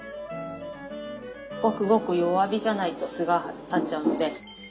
ごくごく弱火じゃないと「す」が立っちゃうので。